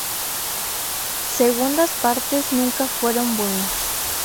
Segundas partes nunca fueron buenas